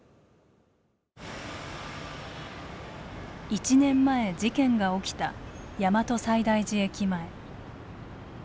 １年前、事件が起きた大和西大寺駅前。